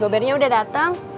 gouwbernya udah dateng